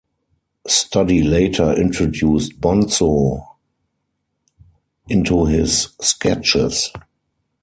Studdy later introduced Bonzo into his sketches.